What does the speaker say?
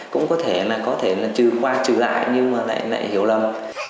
cũng có thể là có thể là trừ qua trừ lại nhưng mà lại hiểu lầm